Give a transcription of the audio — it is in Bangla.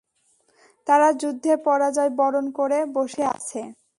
তারা যুদ্ধে পরাজয় বরণ করে বসে আছে।